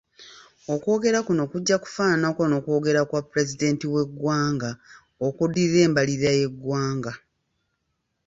Okwogera kuno kujja kufaafananako n'okwogera kwa Pulezidenti w'eggwanga okuddirira embalirira y'eggwanga.